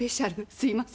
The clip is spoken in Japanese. すいません。